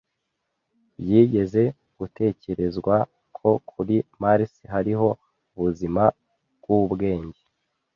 Byigeze gutekerezwa ko kuri Mars hariho ubuzima bwubwenge.